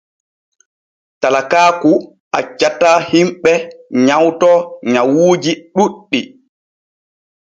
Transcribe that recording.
Talakaaku accataa himɓe nyawto nyawuuji ɗuuɗɗi.